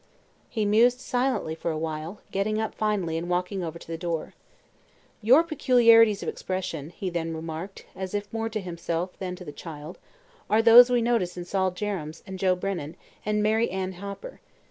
He mused silently for a while, getting up finally and walking over to the door. "Your peculiarities of expression," he then remarked, as if more to himself than to the child, "are those we notice in Sol Jerrems and Joe Brennan and Mary Ann Hopper.